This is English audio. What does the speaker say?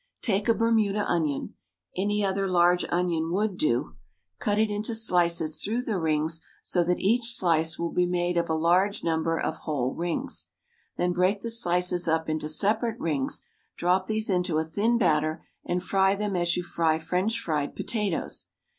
Take a Bermuda onion — any other large onion would do — cut it into slices through the rings so that each slice will be made up of a large number of whole rings. Then break the slices up into separate rings, drop these into a thin batter and fry them as you fry French fried potatoes.